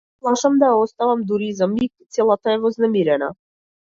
Се плашам да ја оставам дури и за миг, целата е вознемирена.